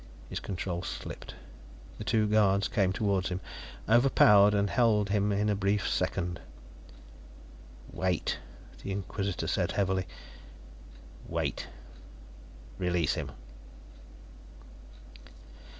His control slipped. The two guards came toward him, overpowered and held him in a brief second "Wait," the Inquisitor said heavily. "Wait. Release him."